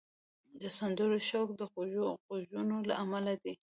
د سندرو شوق د خوږو غږونو له امله دی